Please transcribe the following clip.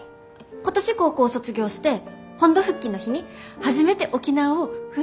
今年高校を卒業して本土復帰の日に初めて沖縄を船で出ました。